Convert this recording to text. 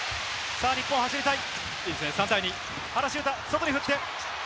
日本走りたい。